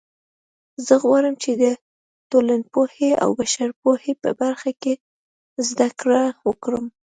زه غواړم چې د ټولنپوهنې او بشرپوهنې په برخه کې زده کړه وکړم